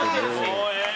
もうええ！